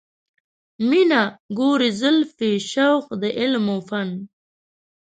مینه، ګورې زلفې، شوق د علم و فن